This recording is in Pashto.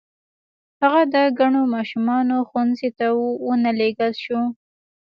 هغه د کڼو ماشومانو ښوونځي ته و نه لېږل شو.